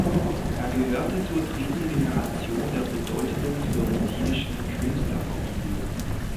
Er gehörte zur dritten Generation der bedeutenden florentinischen Künstlerfamilie.